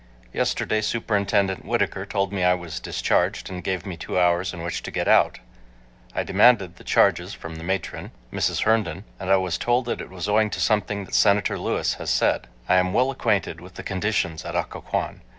Yesterday Superintendent Whittaker told me I was discharged and gave me two hours in which to get out. I demanded the charges from the matron, Mrs. Herndon, and I was told that it was owing to something that Senator Lewis has said. I am well acquainted with the conditions at Occoquan.